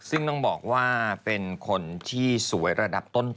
ซึ่งต้องบอกว่าเป็นคนที่สวยระดับต้น